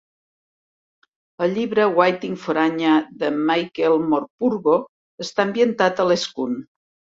El llibre "Waiting for Anya", de Michael Morpurgo, està ambientat a Lescun.